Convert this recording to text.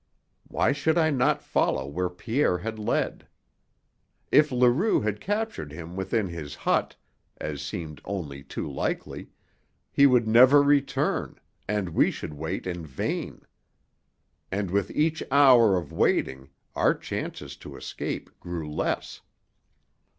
Why should I not follow where Pierre had led? If Leroux had captured him within his hut, as seemed only too likely, he would never return, and we should wait in vain. And with each hour of waiting our chances to escape grew less.